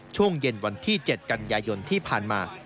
ช่วงเย็นวันที่๗กันยายนที่ผ่านมา